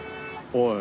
おい